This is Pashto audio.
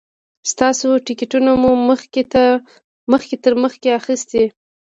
ستاسو ټکټونه مو مخکې تر مخکې اخیستي.